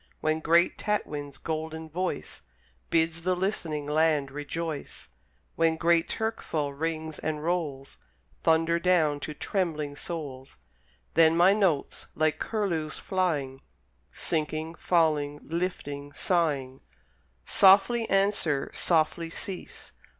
When great Tatwin's golden voice Bids the listening land rejoice, When great Turkeful rings and rolls Thunder down to trembling souls, Then my notes, like curlews flying, Sinking, falling, lifting, sighing, Softly answer, softly cease.